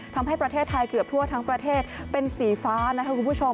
ทำให้ประเทศไทยเกือบทั่วทั้งประเทศเป็นสีฟ้านะคะคุณผู้ชม